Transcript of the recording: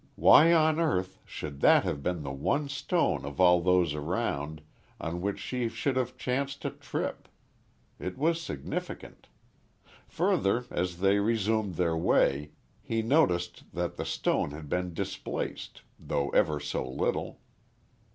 Why on earth should that have been the one stone of all those around, on which she should have chanced to trip? It was significant. Further, as they resumed their way, he noticed that the stone had been displaced, though ever so little.